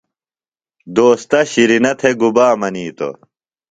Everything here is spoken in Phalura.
دوستہ شِرینہ تھےۡ گُبا منِیتوۡ ؟